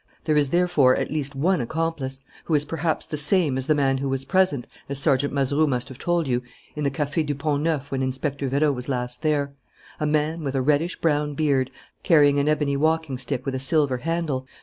There is, therefore, at least one accomplice, who perhaps is the same as the man who was present, as Sergeant Mazeroux must have told you, in the Café du Pont Neuf when Inspector Vérot was last there: a man with a reddish brown beard, carrying an ebony walking stick with a silver handle.